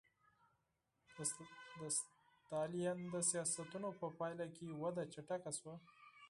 د ستالین د سیاستونو په پایله کې وده چټکه شوه